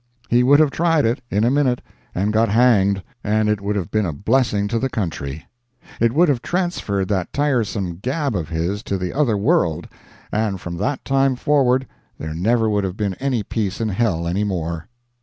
He would have tried it, in a minute, and got hanged, and it would have been a blessing to the country. It would have transferred that tiresome gab of his to the other world, and from that time forward there never would have been any peace in hell any more.